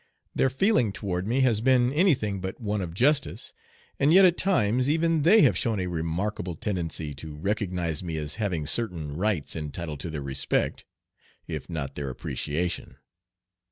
Their feeling toward me has been any thing but one of justice, and yet at times even they have shown a remarkable tendency to recognize me as having certain rights entitled to their respect, if not their appreciation.